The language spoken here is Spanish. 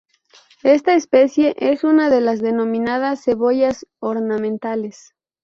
Esta especie es una de las denominadas cebollas ornamentales.